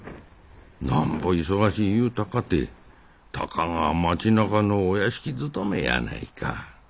なんぼ忙しいいうたかてたかが町なかのお屋敷勤めやないか。